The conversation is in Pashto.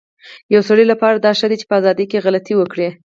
يو سړي لپاره دا ښه ده چي په ازادی کي غلطي وکړی